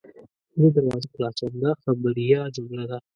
زه دروازه خلاصوم – دا خبریه جمله ده.